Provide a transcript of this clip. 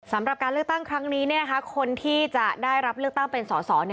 สำหรับการเลือกตั้งครั้งนี้คนที่จะได้รับเลือกตั้งเป็นสอสอ